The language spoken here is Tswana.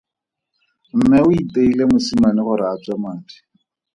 Mme o iteile mosimane gore a tswe madi.